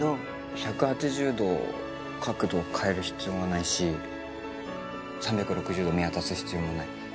１８０度角度を変える必要はないし３６０度見渡す必要もない。